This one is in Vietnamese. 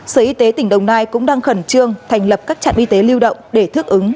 sở y tế tỉnh đồng nai cũng đang khẩn trương thành lập các trạm y tế lưu động để thích ứng